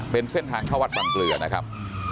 เป็นเส้นทางเข้าวัดบังเกลือนะครับ